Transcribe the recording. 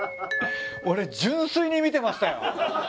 俺純粋に見てましたよ。